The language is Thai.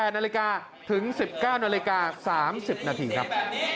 ๘นาฬิกาถึง๑๙นาฬิกา๓๐นาทีครับ